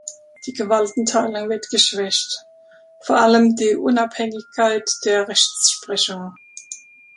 Die Gewaltenteilung wird geschwächt, vor allem die Unabhängigkeit der Rechtsprechung.